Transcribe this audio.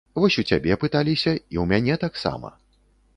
Вось у цябе пыталіся, і ў мяне таксама.